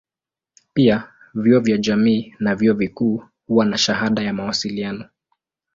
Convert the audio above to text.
Pia vyuo vya jamii na vyuo vikuu huwa na shahada ya mawasiliano.